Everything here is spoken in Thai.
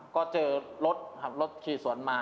ก็เจอรถขี่สวนมา